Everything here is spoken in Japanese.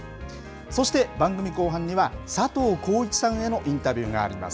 そして番組後半には、佐藤浩市さんへのインタビューがあります。